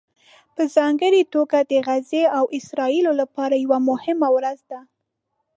په ځانګړې توګه د غزې او اسرائیلو لپاره یوه مهمه ورځ ده